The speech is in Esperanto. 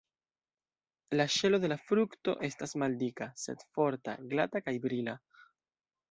La ŝelo de la frukto estas maldika, sed forta, glata kaj brila.